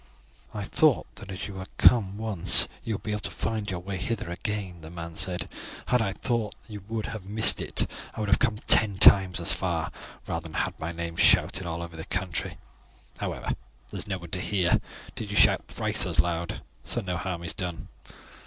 "I thought that as you had come once you would be able to find your way hither again," the man said. "Had I thought that you would have missed it I would have come ten times as far, rather than have had my name shouted all over the country. However, there is no one to hear, did you shout thrice as loud, so no harm is done."